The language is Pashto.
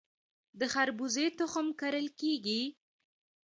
د خربوزې تخم کرل کیږي؟